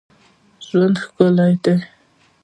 ژوند ښکلی دئ.